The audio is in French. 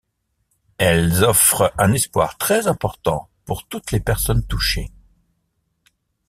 Elles offrent un espoir très important pour toutes les personnes touchées.